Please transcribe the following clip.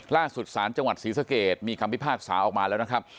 ล่าสุดศาลจังหวัดศรีสะเกดมีคำพิพากษาออกมาแล้วนะครับ